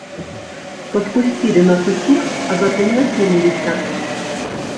Падпусцілі нас усіх, а затым накінуліся.